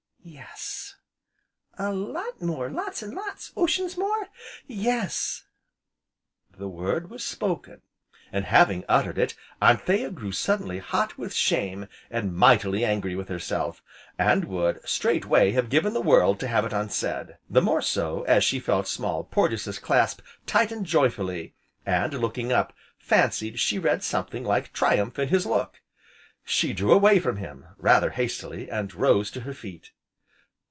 "Yes!" "A lot more, lots an' lots, oceans more?" "Yes!" The word was spoken, and, having uttered it, Anthea grew suddenly hot with shame, and mightily angry with herself, and would, straightway, have given the world to have it unsaid; the more so, as she felt Small Porges' clasp tighten joyfully, and, looking up, fancied she read something like triumph in his look. She drew away from him, rather hastily, and rose to her feet.